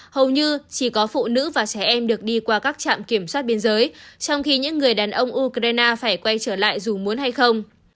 hầu như chỉ có phụ nữ và trẻ em được đi qua các trạm kiểm soát biên giới trong khi những người đàn ông ukraine phải quay trở lại dù muốn hay không